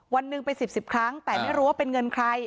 วันหนึ่งเป็น๑๐๑๐ครั้งแต่ไม่รู้ว่าเป็นเงินใคร